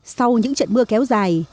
sau những trận mưa kéo dài